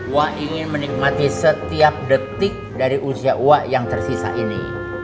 gua ingin menikmati setiap detik dari usia uang yang tersisa ini